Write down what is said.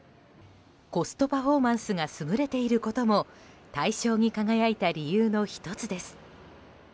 コストパフォーマンスが優れていることも大賞に輝いた理由の１つです。